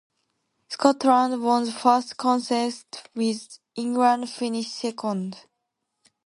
Scotland won the first contest with England finishing second.